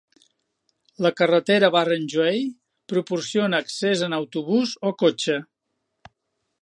La carretera Barrenjoey proporciona accés en autobús o cotxe.